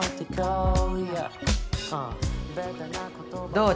・どう？